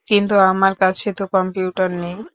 কিন্তু আমার কাছে তো কম্পিউটারই নেই।